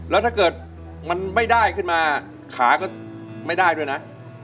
แล้วถ้าเกิดมันไม่ได้ขึ้นมาขาก็ไม่ได้ด้วยนะ